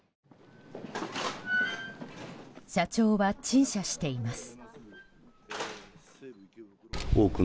社長は、陳謝しています。